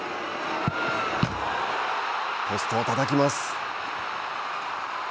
ポストをたたきます。